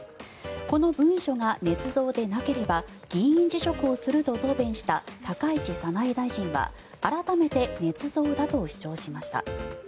この文書がねつ造でなければ議員辞職をすると答弁した高市早苗大臣は改めてねつ造だと主張しました。